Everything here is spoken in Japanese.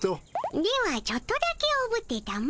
ではちょっとだけおぶってたも。